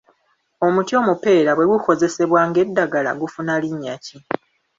Omuti omupeera bwe gukozesebwa nga eddagala gufuna linnya ki?